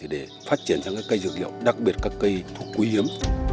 để phát triển ra những cái cây dược liệu đặc biệt các cây thuốc quý hiếm